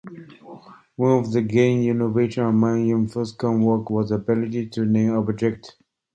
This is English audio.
One of the game's innovations among Infocom's works was the ability to "name" objects.